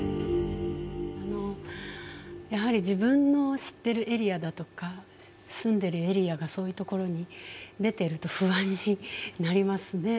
やはり自分の知ってるエリアだとか住んでるエリアがそういうところに出てると不安になりますね。